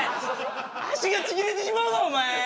脚がちぎれてしまうぞお前！